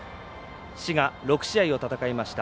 滋賀６試合を戦いました。